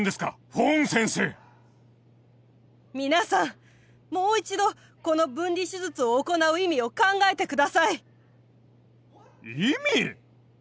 フォン先生皆さんもう一度この分離手術を行う意味を考えてください意味！？